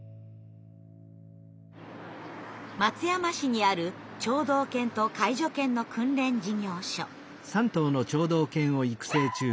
松山市にある聴導犬と介助犬の訓練事業所。